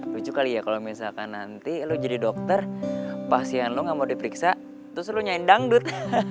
lucu kali ya kalo misalkan nanti lu jadi dokter pasien lu ga mau diperiksa terus lu nyahin dangdut